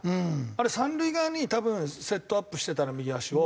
あれ三塁側に多分セットアップしてたら右足を。